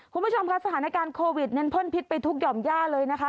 คุณผู้ชมค่ะสถานการณ์โควิดเน้นพ่นพิษไปทุกห่อมย่าเลยนะคะ